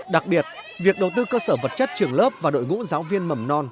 đặc biệt việc đầu tư cơ sở vật chất trường lớp và đội ngũ giáo viên mầm non